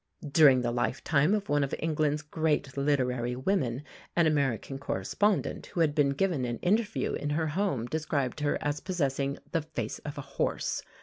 During the lifetime of one of England's great literary women, an American correspondent who had been given an interview in her home described her as possessing the "face of a horse."